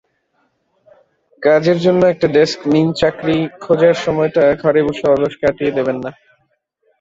কাজের জন্য একটা ডেস্ক নিনচাকরি খোঁজার সময়টা ঘরে বসে অলস কাটিয়ে দেবেন না।